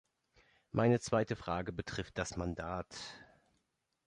Meine zweite Frage betrifft das Mandat.